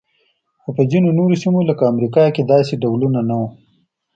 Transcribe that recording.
خو په ځینو نورو سیمو لکه امریکا کې داسې ډولونه نه وو.